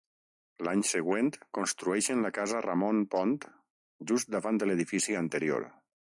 L'any següent construeixen la casa Ramon Pont, just davant de l'edifici anterior.